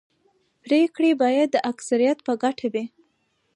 پرېکړې باید د اکثریت په ګټه وي